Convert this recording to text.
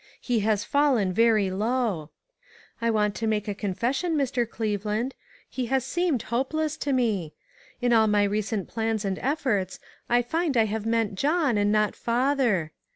He has fallen very low. I want to make a confes sion, Mr. Cleveland; he has seemed hopeless to me. In all my recent plans and efforts, I find I have meant John, and not father.